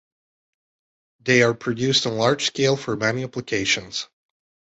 They are produced on a large scale for many applications.